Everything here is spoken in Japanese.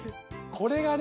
これがね